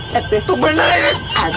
ha kau benar